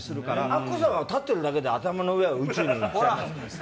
アッコさんは立っているだけで、頭の上は宇宙ですね。